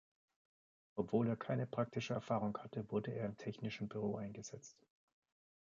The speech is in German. Obwohl er keine praktische Erfahrung hatte, wurde er im Technischen Büro eingesetzt.